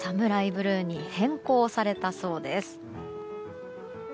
ブルーに変更されたそうです。